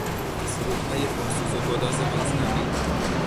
سرودهای پر سوز و گداز مذهبی